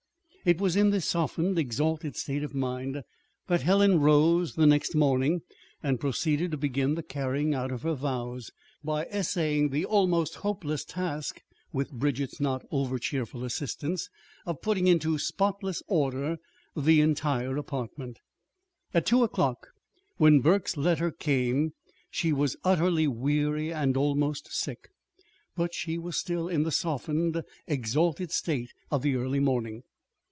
It was in this softened, exalted state of mind that Helen rose the next morning and proceeded to begin the carrying out of her vows, by essaying the almost hopeless task (with Bridget's not overcheerful assistance) of putting into spotless order the entire apartment. At two o'clock, when Burke's letter came, she was utterly weary and almost sick; but she was still in the softened, exalted state of the early morning.